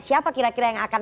siapa kira kira yang akan